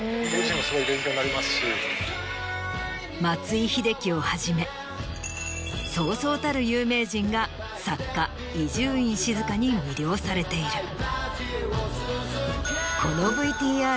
松井秀喜をはじめそうそうたる有名人が作家伊集院静に魅了されている。